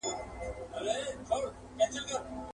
زموږ پر تندي به وي تیارې لیکلي.